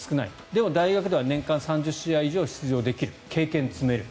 でも大学では年間３０試合以上出場できる経験を積める。